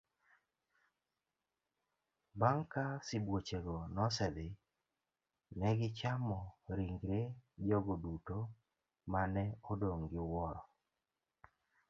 Bang' ka sibuochego nosedhi, ne gichamo ringre jogo duto ma ne odong gi wuoro'.